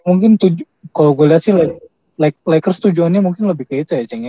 mungkin kalau gue lihat sih lakers tujuannya mungkin lebih ke itu ya ceng